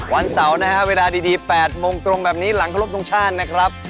วันเสาร์นะฮะเวลาดี๘โมงตรงแบบนี้หลังครบทรงชาตินะครับ